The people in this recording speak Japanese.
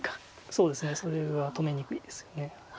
そうですねそれは止めにくいですよね。